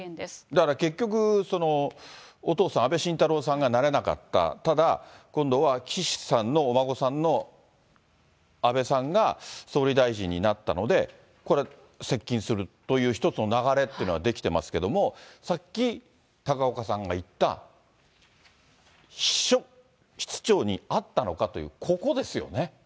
だから、結局、お父さん、安倍晋太郎さんがなれなかった、ただ、今度は岸さんのお孫さんの安倍さんが、総理大臣になったので、これ、接近するという一つの流れっていうのができてますけれども、さっき、高岡さんが言った、秘書室長に会ったのかという、ここですよね。